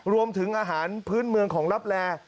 รวมถึงอาหารพื้นเมืองของลับแล